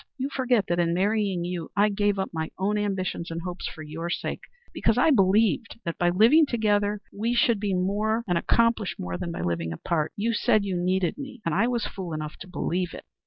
You forget that in marrying you I gave up my own ambitions and hopes for your sake; because because I believed that by living together we should be more, and accomplish more, than by living apart. You said you needed me, and I was fool enough to believe it."